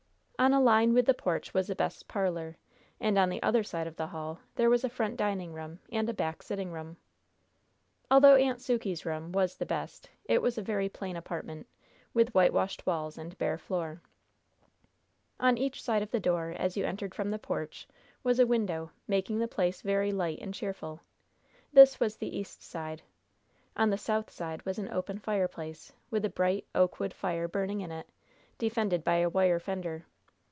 On a line with the porch was the best parlor, and on the other side of the hall there was a front dining room and a back sitting room. Although "Aunt Sukey's room" was the best, it was a very plain apartment, with whitewashed walls and bare floor. On each side of the door, as you entered from the porch, was a window, making the place very light and cheerful. This was the east side. On the south side was an open fireplace, with a bright, oak wood fire burning in it, defended by a wire fender.